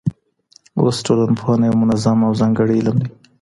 اوس ټولنپوهنه یو منظم او ځانګړی علم دی.